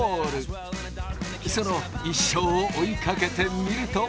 その一生を追いかけてみると。